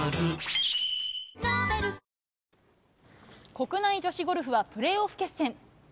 国内女子ゴルフはプレーオフ決戦。